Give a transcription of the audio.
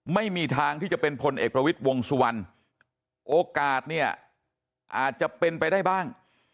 ไม่มีทางที่จะเป็นพลเอกประวิทย์วงสุวรรณโอกาสเนี่ยอาจจะเป็นไปได้บ้าง